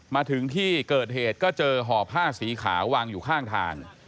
มาถึงที่เกิดเหตุก็เจอห่อผ้าสีขาววางอยู่ข้างทาง